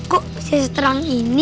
kok sese terang ini